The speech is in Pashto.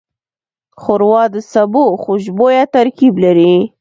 ښوروا د سبو خوشبویه ترکیب لري.